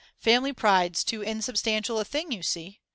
Family pride's too insubstantial a thing, you see.